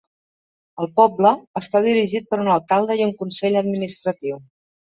El poble està dirigit per un alcalde i un consell administratiu.